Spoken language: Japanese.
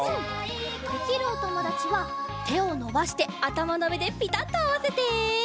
できるおともだちはてをのばしてあたまのうえでピタッとあわせて。